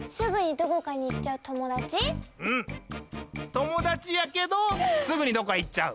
ともだちやけどすぐにどっかいっちゃう。